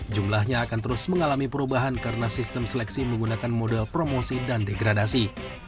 jumlahnya akan terus mengalami perubahan karena sistem seleksi menggunakan model promosi dan degradasi